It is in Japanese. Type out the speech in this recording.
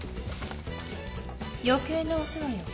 ・余計なお世話よ。